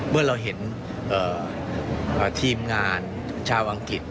เมื่อเราเห็นทีมงานชาวอังกฤษ